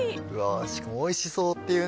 しかもおいしそうっていうね。